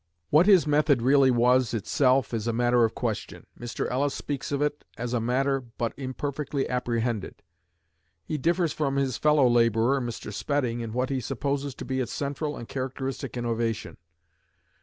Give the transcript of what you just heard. What his method really was is itself a matter of question. Mr. Ellis speaks of it as a matter "but imperfectly apprehended." He differs from his fellow labourer Mr. Spedding, in what he supposes to be its central and characteristic innovation.